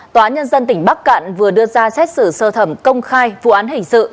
tòa nhân dân tỉnh bắc cạn vừa đưa ra xét xử sơ thẩm công khai vụ án hình sự